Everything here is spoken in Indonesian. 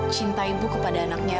cinta ibu kepada anaknya